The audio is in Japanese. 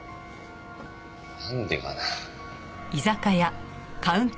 なんでかな。